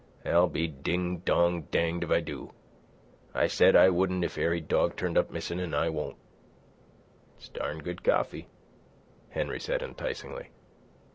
"I'll be ding dong danged if I do. I said I wouldn't if ary dog turned up missin', an' I won't." "It's darn good coffee," Henry said enticingly.